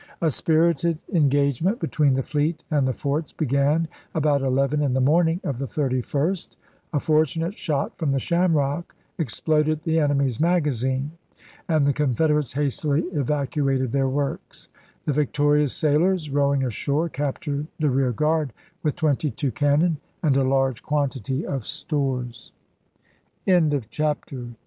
A spirited engagement between the fleet and the forts began about eleven in the morning of the 31st ; a fortunate shot from the Shamrock exploded the enemy's magazine, and the Confederates hastily evacuated their works ; the victorious sailors, row ing ashore, captured the rear guard with twenty two canno